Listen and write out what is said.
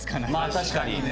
確かに。